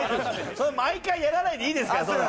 それ毎回やらないでいいですから。